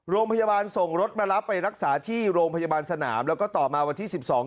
โรงพยาบาลส่งรถมารับไปรักษาที่โรงพยาบาลสนามแล้วก็ต่อมาวันที่สิบสอง